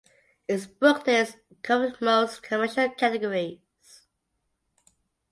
Its booklist covered most commercial categories.